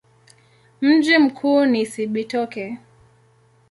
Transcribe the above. Mji mkuu ni Cibitoke.